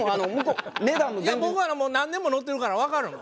僕あの何年も乗ってるからわかる。